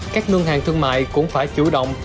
các ngân hàng thương mại cũng phải chủ động